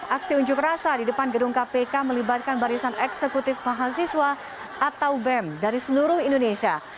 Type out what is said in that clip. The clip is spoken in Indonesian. aksi unjuk rasa di depan gedung kpk melibatkan barisan eksekutif mahasiswa atau bem dari seluruh indonesia